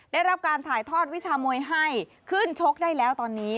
ได้รับการถ่ายทอดวิชามวยให้ขึ้นชกได้แล้วตอนนี้